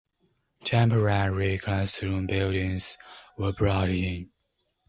Temporary classroom buildings were brought in.